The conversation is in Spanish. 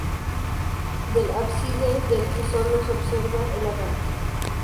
Del ábside, del que sólo se observa el arranque.